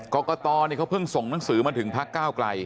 กรกตเขาเพิ่งส่งหนังสือมาถึงพักก้าวไกล